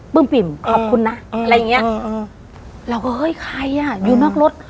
ปิ่มขอบคุณนะอะไรอย่างเงี้ยอืมเราก็เฮ้ยใครอ่ะอยู่นอกรถ